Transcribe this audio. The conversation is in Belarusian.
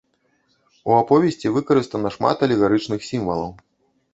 У аповесці выкарыстана шмат алегарычных сімвалаў.